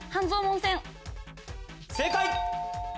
正解。